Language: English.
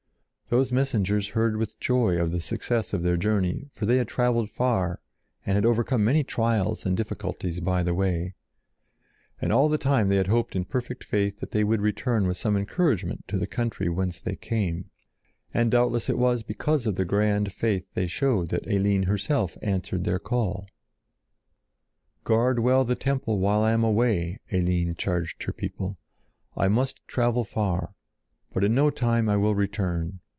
Those messengers heard with joy of the success of their journey, for they had traveled far and had overcome many trials and difficulties by the way. And all the time they had hoped in perfect faith that they would return with some encouragement to the country whence they came. And doubtless it was because of the grand faith they showed that Eline herself answered their call. "Guard well the temple while I am away," Eline charged her people. "I must travel far, but in no long time I will return!